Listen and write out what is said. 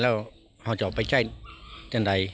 แล้วเขาจะออกไปจ่ายจากไหน